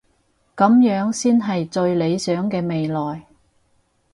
噉樣先係最理想嘅未來